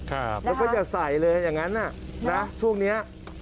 แล้วก็อย่าใส่เลยอย่างนั้นนะช่วงนี้